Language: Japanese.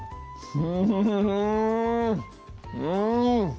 うん！